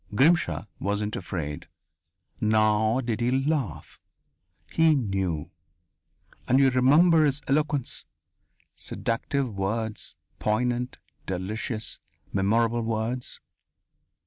Grimshaw wasn't afraid. Nor did he laugh. He knew. And you remember his eloquence seductive words, poignant, delicious, memorable words!